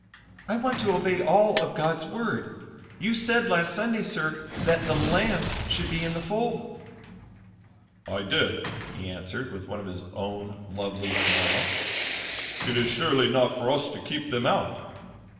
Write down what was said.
"I want to obey all of God's Word. You said last Sunday, sir, that the lambs should be in the fold." "I did," he answered, with one of his own lovely smiles. "It is surely not for us to keep them out.